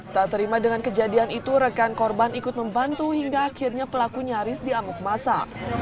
tak terima dengan kejadian itu rekan korban ikut membantu hingga akhirnya pelaku nyaris diamuk masa